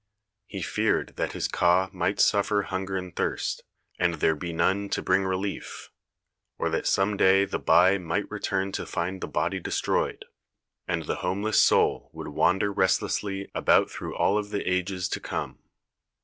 He feared that his ka might suffer hunger and thirst, and there be none to bring relief, or that some day the bai might return to 3 THE SEyEN WONDERS find the body destroyed, and the homeless soul would wander restlessly about through all of the ages to come.